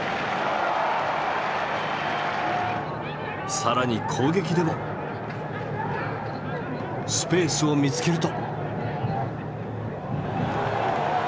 更に攻撃でもスペースを見つけると。